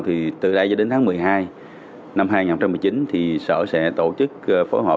thì từ nay cho đến tháng một mươi hai năm hai nghìn một mươi chín thì sở sẽ tổ chức phối hợp